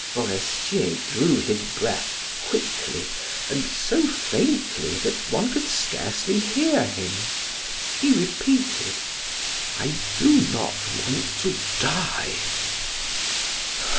Forestier drew his breath quickly and so faintly that one could scarcely hear him. He repeated: "I do not want to die!